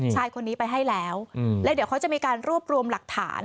ชายคนนี้ไปให้แล้วแล้วเดี๋ยวเขาจะมีการรวบรวมหลักฐาน